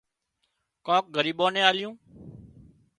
ڪانڪ ڳريٻان نين آليون